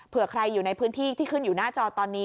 ใครอยู่ในพื้นที่ที่ขึ้นอยู่หน้าจอตอนนี้